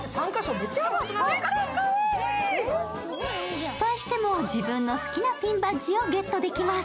失敗しても自分の好きなピンバッジをゲットできます。